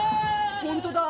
本当だ。